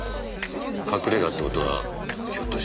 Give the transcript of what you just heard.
隠れ家って事はひょっとして。